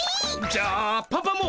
じゃあパパも！